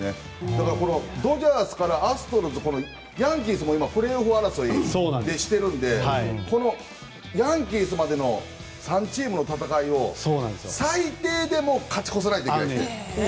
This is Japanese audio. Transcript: だからドジャースからアストロズヤンキースもプレーオフ争いをしているのでこのヤンキースまでの３チームの戦いを最低でも勝ち越さないといけないです。